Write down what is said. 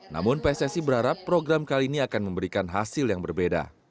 namun pssi berharap program kali ini akan memberikan hasil yang berbeda